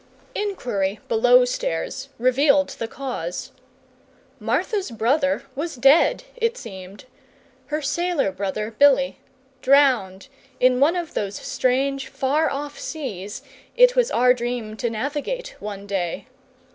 Inquiry below stairs revealed the cause. Martha's brother was dead, it seemed her sailor brother Billy; drowned in one of those strange far off seas it was our dream to navigate one day.